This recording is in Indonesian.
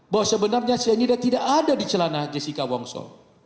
bahwa sebenarnya cyanida tidak ada di celana jessica wongso